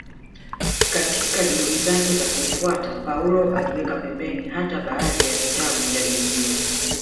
Katika juhudi zake za kumfuata Paulo aliweka pembeni hata baadhi ya vitabu vya Biblia